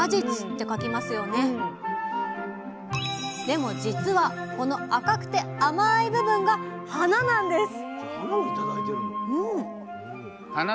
でもじつはこの赤くて甘い部分が花なんです！